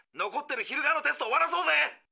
残ってる昼側のテスト終わらそうぜ。